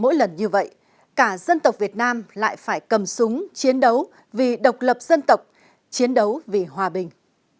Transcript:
mỗi lần như vậy cả dân tộc việt nam lại phải cầm súng chiến đấu vì độc lập dân tộc chiến đấu vì hòa bình